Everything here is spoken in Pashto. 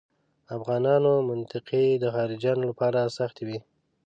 افغانانو منطقې د خارجیانو لپاره سختې وې.